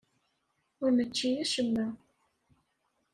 Ur nečči acemma.